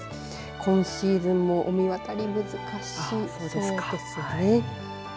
今シーズンも御神渡り難しそうですね。